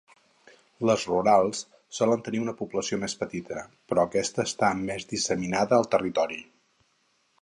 Les rurals solen tenir una població més petita, però aquesta està més disseminada al territori.